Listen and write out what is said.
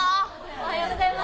おはようございます。